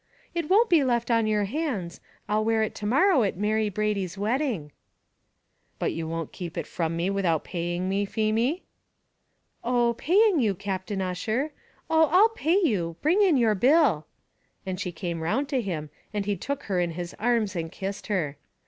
"It won't be left on your hands; I'll wear it to morrow at Mary Brady's wedding." "But you won't keep it from me without paying me, Feemy?" "Oh, paying you, Captain Ussher; oh, I'll pay you, bring in your bill;" and she came round to him, and he took her in his arms and kissed her.